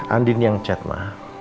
andi ini yang chat ma